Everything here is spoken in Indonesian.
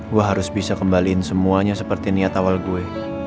gue harus bisa kembaliin semuanya seperti niat awal gue